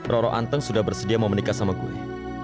roro anteng sudah bersedia mau menikah sama gue